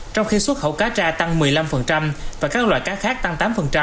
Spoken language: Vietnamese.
trong khi xuất khẩu cá tra tăng một mươi năm và các loại cá khác tăng tám